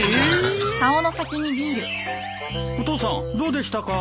お父さんどうでしたか？